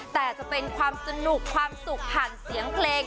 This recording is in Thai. แต่จะเป็นความสนุกความสุขผ่านเสียงเพลง